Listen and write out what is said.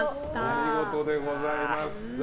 お見事でございます。